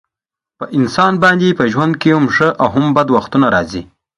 په انسان باندې په ژوند کې هم ښه او هم بد وختونه راځي.